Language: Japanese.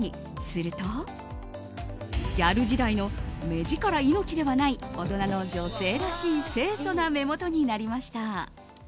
するとギャル時代の目力命ではない大人の女性らしい清楚な目元になりました。